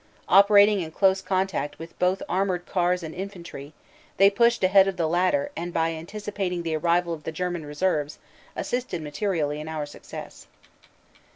Operating in close contact with both armored cars and infantry, they pushed ahead of the latter and by anticipating the arrival of the Ger man Reserves assisted materially in our success."